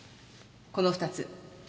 この２つ。